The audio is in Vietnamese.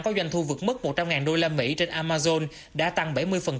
có doanh thu vượt mức một trăm linh usd trên amazon đã tăng bảy mươi